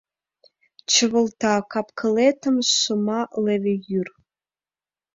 Чывылта кап-кылетым шыма леве йӱр.